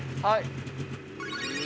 はい。